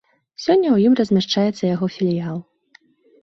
Сёння ў ім размяшчаецца яго філіял.